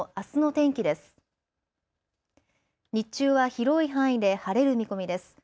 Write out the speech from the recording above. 日中は広い範囲で晴れる見込みです。